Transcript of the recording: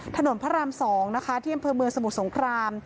ถนนพระราม๒นะคะที่อำเภอเมืองสมุทรสงคราม